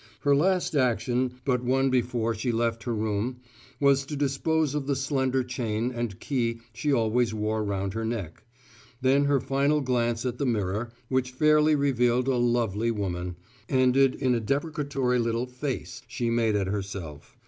Her last action but one before she left her room was to dispose of the slender chain and key she always wore round her neck; then her final glance at the mirror which fairly revealed a lovely woman ended in a deprecatory little "face" she made at herself.